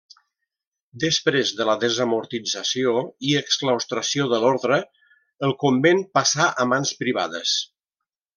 Després de la desamortització i exclaustració de l'ordre, el convent passà a mans privades.